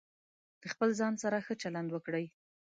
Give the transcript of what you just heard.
د خپل ځان سره ښه چلند وکړئ.